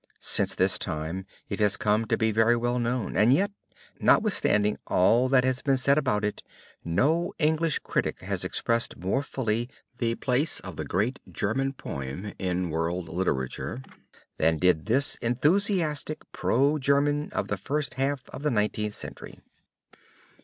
Since this time it has come to be very well known and yet, notwithstanding all that has been said about it no English critic has expressed more fully the place of the great German poem in world literature, than did this enthusiastic pro German of the first half of the Nineteenth Century.